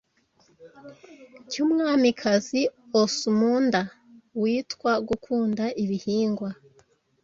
cyumwamikazi Osumunda witwa; Gukunda ibihingwa